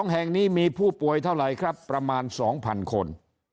แห่งนี้มีผู้ป่วยเท่าไหร่ครับประมาณ๒๐๐คน